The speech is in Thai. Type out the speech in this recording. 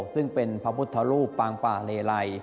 ซึ่งเป็นพระพุทธรูปปางป่าเลไล